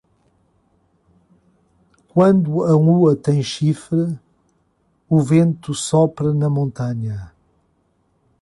Quando a lua tem chifre, o vento sopra na montanha.